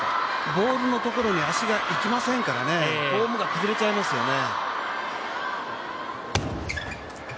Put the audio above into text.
ボールのところに足が行きませんからフォームが崩れちゃいますよね。